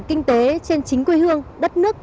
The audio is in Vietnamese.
kinh tế trên chính quê hương đất nước